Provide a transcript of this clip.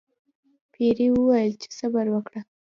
پیري وویل چې صبر وکړه.